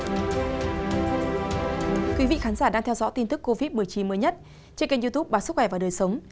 thưa quý vị khán giả đang theo dõi tin tức covid một mươi chín mới nhất trên kênh youtube báo sức khỏe và đời sống